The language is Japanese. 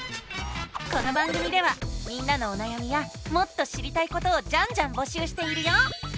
この番組ではみんなのおなやみやもっと知りたいことをジャンジャンぼしゅうしているよ！